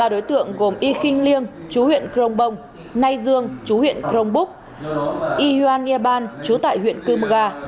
ba đối tượng gồm y kinh liêng chú huyện crong bông nay dương chú huyện crong búc y hoan nghia ban chú tại huyện cư mga